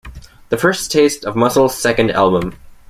The first taste of Muscles' second album.